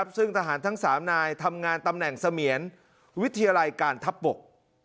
ซึ่งทหารทั้ง๓นายทำงานตำแหน่งเสมียรวิทยาลัยการทัพบก